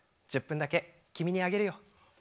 １０分だけ君にあげるよ。